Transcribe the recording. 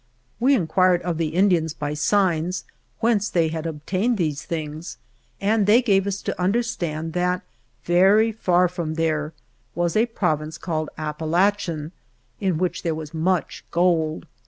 We inquired of the Indians (by signs) whence they had obtained these things and they gave us to understand that, very far from there, was a province called Apalachen in which there was much gold.